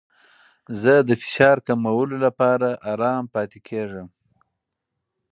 زه د فشار کمولو لپاره ارام پاتې کیږم.